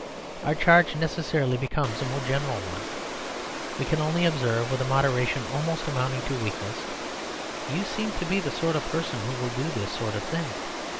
Our charge necessarily becomes a more general one. We can only observe, with a moderation almost amounting to weakness, "You seem to be the sort of person who will do this sort of thing."